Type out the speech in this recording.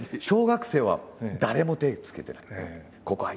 「小学生は誰も手つけてない。